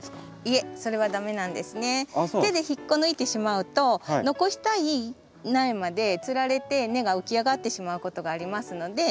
手で引っこ抜いてしまうと残したい苗までつられて根が浮き上がってしまうことがありますので。